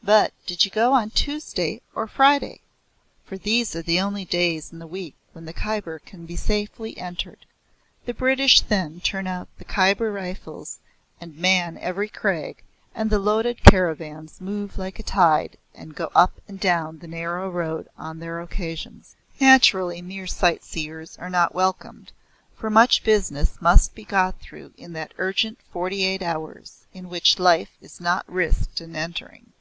But did you go on Tuesday or Friday?" For these are the only days in the week when the Khyber can be safely entered. The British then turn out the Khyber Rifles and man every crag, and the loaded caravans move like a tide, and go up and down the narrow road on their occasions. Naturally mere sightseers are not welcomed, for much business must be got through in that urgent forty eight hours in which life is not risked in entering.